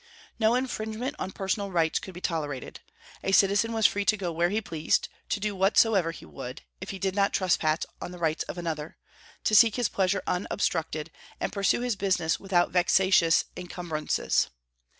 No infringement on personal rights could be tolerated. A citizen was free to go where he pleased, to do whatsoever he would, if he did not trespass on the rights of another; to seek his pleasure unobstructed, and pursue his business without vexatious incumbrances.